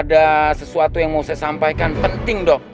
ada sesuatu yang mau saya sampaikan penting dok